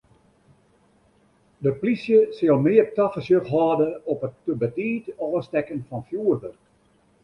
De plysje sil mear tafersjoch hâlde op it te betiid ôfstekken fan fjoerwurk.